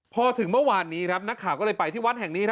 พอถึงเมื่อวานนี้ครับนักข่าวก็เลยไปที่วัดแห่งนี้